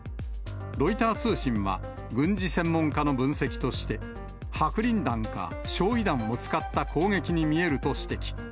ロイター通信は、軍事専門家の分析として、白リン弾か焼い弾を使った攻撃に見えると指摘。